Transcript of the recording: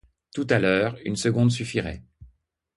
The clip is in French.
Tout à l'heure, une seconde suffirait.